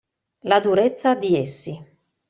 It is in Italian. La durezza di essi.